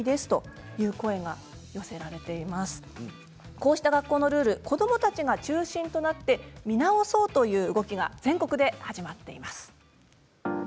こうした学校のルールを子どもたちが中心となって見直そうという動きが全国で始まっています。